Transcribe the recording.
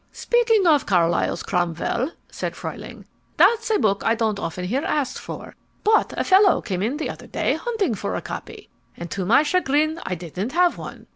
"Speaking of Carlyle's Cromwell," said Fruehling, "that's a book I don't often hear asked for. But a fellow came in the other day hunting for a copy, and to my chagrin I didn't have one.